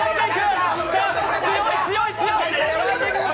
強い、強い、強い！